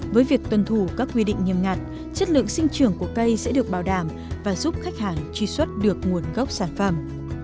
với việc tuân thủ các quy định nghiêm ngặt chất lượng sinh trưởng của cây sẽ được bảo đảm và giúp khách hàng truy xuất được nguồn gốc sản phẩm